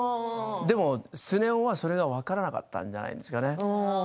でも常雄はそれが分からなかったんじゃないですかね。